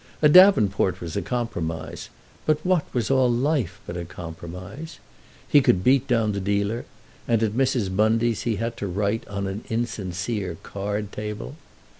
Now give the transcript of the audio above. A davenport was a compromise, but what was all life but a compromise? He could beat down the dealer, and at Mrs. Bundy's he had to write on an insincere card table.